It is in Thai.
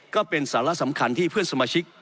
ก็เป็นสาระสำคัญที่เพื่อนสมาชิก